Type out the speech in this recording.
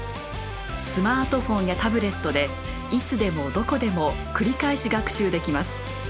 スマートフォンやタブレットでいつでもどこでも繰り返し学習できます。